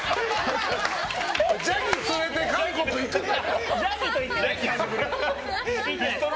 ジャギ連れて韓国行くか！